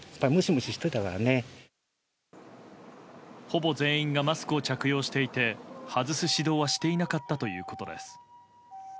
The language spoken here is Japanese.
ほぼ全員がマスクを着用していて外す指導はしていなかったということです。